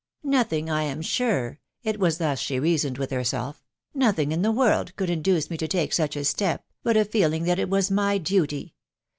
" Nothing, I am sure," .... it was thus she reasoned with herself, .... "nothing in the whole world could induce me to take such a step, but a feeling that it was my duty.